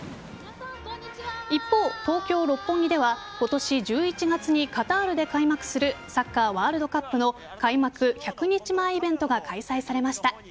一方、東京・六本木では今年１１月にカタールで開幕するサッカーワールドカップの開幕１００日前イベントが開催されました。